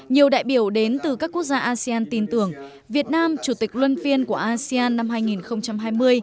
nhiều đại biểu đến từ các quốc gia asean tin tưởng việt nam chủ tịch luân phiên của asean năm hai nghìn hai mươi